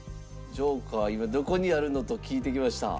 ジョーカーは今どこにあるの？と聞いてきました。